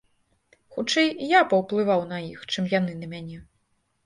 Хутчэй, я паўплываў на іх, чым яны на мяне.